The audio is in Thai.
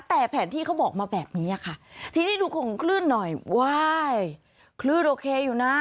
แต่แผนที่เขาบอกมาแบบนี้ค่ะทีนี้ดูของคลื่นหน่อยว้ายคลื่นโอเคอยู่นะ